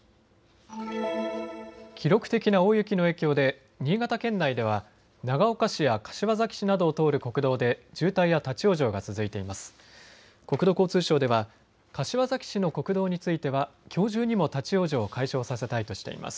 記録的な大雪の影響で新潟県内では長岡市や柏崎市などを通る国道で渋滞や立往生が続いています。